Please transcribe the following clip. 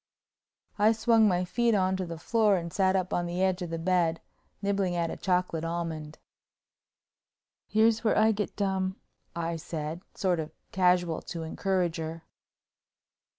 I swung my feet on to the floor and sat up on the edge of the bed, nibbling at a chocolate almond. "Here's where I get dumb," I said, sort of casual to encourage her.